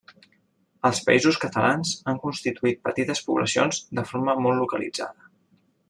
Als Països Catalans han constituït petites poblacions de forma molt localitzada.